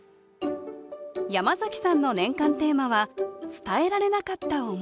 山崎さんの年間テーマは「伝えられなかった思い」。